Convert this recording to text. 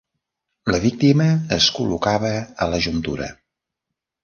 La víctima es col·locava a la juntura.